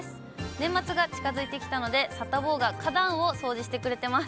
年末が近づいてきたので、サタボーが花壇を掃除してくれてます。